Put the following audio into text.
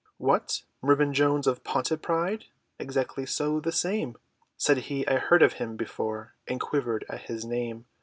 "What? Mervyn Jones of Pontypridd?" "Exactly so, the same," Said he, I heard of him before, And quivered at his name!